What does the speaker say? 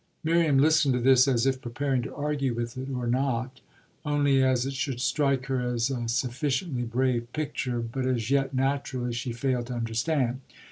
Miriam listened to this as if preparing to argue with it or not, only as it should strike her as a sufficiently brave picture; but as yet, naturally, she failed to understand.